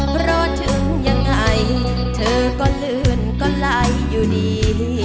เพราะถึงยังไงเธอก็ลื่นก็ไหลอยู่ดี